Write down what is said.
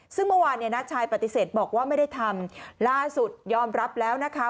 ซึ่งเมื่อวานเนี่ยน้าชายปฏิเสธบอกว่าไม่ได้ทำล่าสุดยอมรับแล้วนะคะ